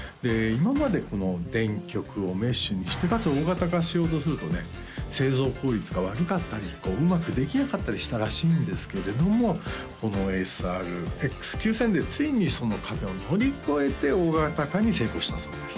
今までこの電極をメッシュにしてかつ大型化しようとするとね製造効率が悪かったりうまくできなかったりしたらしいんですけれどもこのＳＲ−Ｘ９０００でついにその壁を乗り越えて大型化に成功したそうです